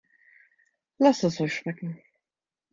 Lasst es euch schmecken!